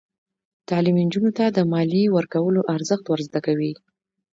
تعلیم نجونو ته د مالیې ورکولو ارزښت ور زده کوي.